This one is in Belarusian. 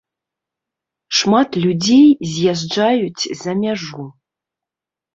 Шмат людзей з'язджаюць за мяжу.